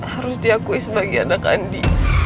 harus diakui sebagai anak andi